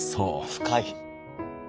深い。